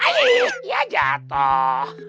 aih ya jatuh